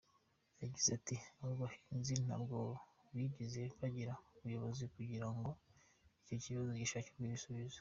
Yagize ati “Abo bahinzi ntabwo bigize begera ubuyobozi kugira ngo icyo kibazo gishakirwe ibisubizo.